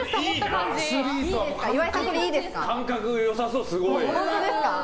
感覚良さそう、すごい。